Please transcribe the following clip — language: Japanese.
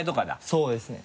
そうですね。